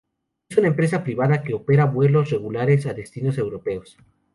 Es una empresa privada que opera vuelos regulares a destinos europeos.